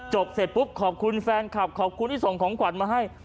เสร็จปุ๊บขอบคุณแฟนคลับขอบคุณที่ส่งของขวัญมาให้